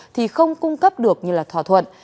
thì không cung cấp được như là thỏa thuận